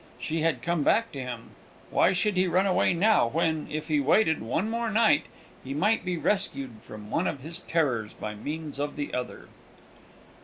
She had come back to him. Why should he run away now, when, if he waited one more night, he might be rescued from one of his terrors by means of the other?